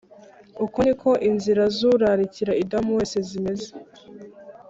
uko ni ko inzira z’urarikira indamu wese zimeze,